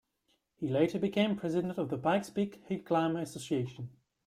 He later became president of the Pikes Peak Hillclimb Association.